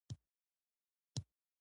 د امویانو پر ضد ځواک ګټه واخلي